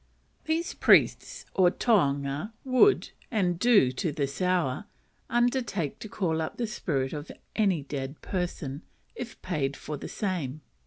These priests or tohunga would, and do to this hour, undertake to call up the spirit of any dead person, if paid for the same.